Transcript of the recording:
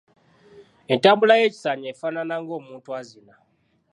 Entambula y’ekisaanyi efaanana ng’omuntu azina.